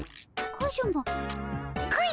カズマ！